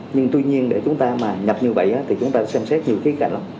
nhưng tuy nhiên để chúng ta mà nhập như vậy thì chúng ta xem xét nhiều khí cảnh lắm